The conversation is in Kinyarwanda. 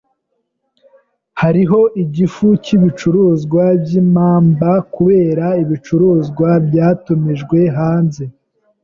Hariho igifu cyibicuruzwa by ipamba kubera ibicuruzwa byatumijwe hanze.